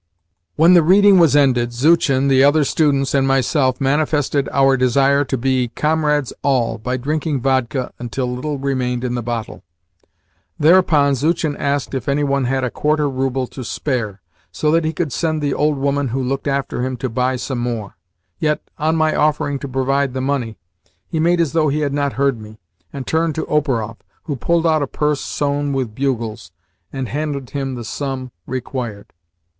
When the reading was ended, Zuchin, the other students, and myself manifested our desire to be "comrades all" by drinking vodka until little remained in the bottle. Thereupon Zuchin asked if any one had a quarter rouble to spare, so that he could send the old woman who looked after him to buy some more; yet, on my offering to provide the money, he made as though he had not heard me, and turned to Operoff, who pulled out a purse sewn with bugles, and handed him the sum required.